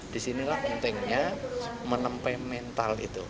di sinilah pentingnya menempel mental itu